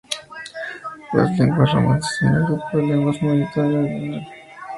Las lenguas romances son el grupo de lenguas mayoritario en Italia.